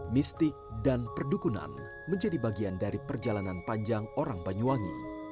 mistik dan perdukunan menjadi bagian dari perjalanan panjang orang banyuwangi